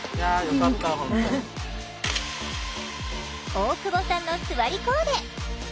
大久保さんのすわりコーデ。